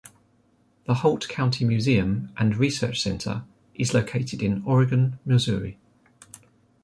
The Holt County Museum and Research Center is located in Oregon, Missouri.